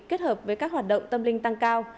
kết hợp với các hoạt động tâm linh tăng cao